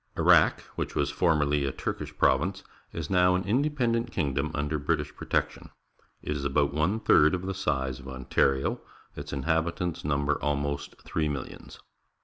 — Iraq, which was former ly a Turkish province, is now an independent kingdom under British protection. It is about one third of the size of Ontario. Its inhabitants number almost three millions.